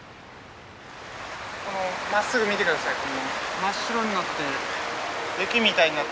このまっすぐ見て下さい。